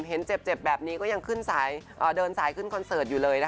เห็นเจ็บแบบนี้ก็ยังขึ้นเดินสายขึ้นคอนเสิร์ตอยู่เลยนะคะ